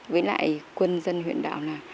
với lại quân dân huyện đảo là